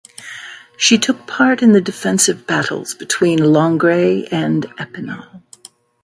She took part in the defensive battles between Langres and Epinal.